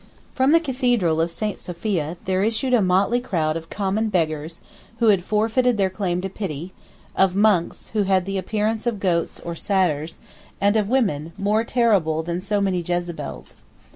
From the cathedral of St. Sophia there issued a motley crowd "of common beggars, who had forfeited their claim to pity; of monks, who had the appearance of goats or satyrs; and of women, more terrible than so many Jezebels."